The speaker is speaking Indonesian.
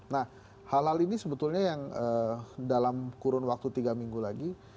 nah hal hal ini sebetulnya yang dalam kurun waktu tiga minggu lagi